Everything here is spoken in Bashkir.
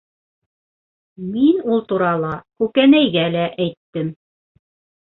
Мин ул турала Күкәнәйгә лә әйттем.